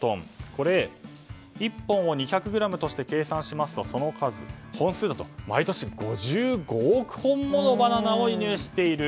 これ、１本を２００ｇとして計算しますとその数、本数だと毎年５５億本ものバナナを輸入している。